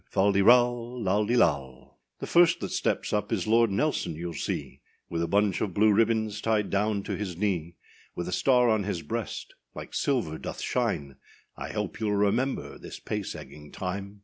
Fal de ral, lal de lal, &c. The first that steps up is Lord [Nelson] youâll see, With a bunch of blue ribbons tied down to his knee; With a star on his breast, like silver doth shine; I hope youâll remember this pace egging time.